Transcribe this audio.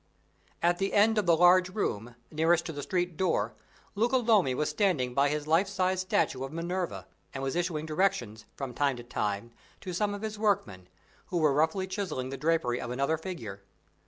At the end of the large room, nearest to the street door, Luca Lomi was standing by his life size statue of Minerva; and was issuing directions, from time to time, to some of his workmen, who were roughly chiseling the drapery of another figure.